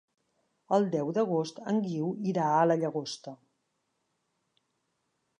El deu d'agost en Guiu irà a la Llagosta.